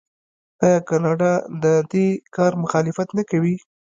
آیا کاناډا د دې کار مخالفت نه کوي؟